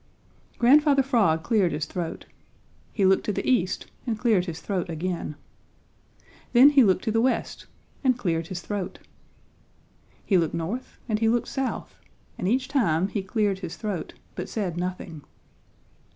Grandfather Frog cleared his throat. He looked to the east and cleared his throat again. Then he looked to the west, and cleared his throat. He looked north and he looked south, and each time he cleared his throat, but said nothing.